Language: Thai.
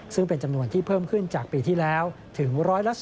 ซึ่งเป็นจำนวนที่เพิ่มขึ้นจากปีที่แล้วถึง๑๒